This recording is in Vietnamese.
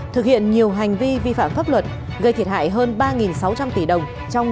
thực hiện nhiều hành vi vi phạm pháp luật gây thiệt hại hơn ba sáu trăm linh tỷ đồng